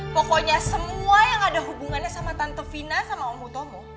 pokoknya semua yang ada hubungannya sama tante fina sama om mutomo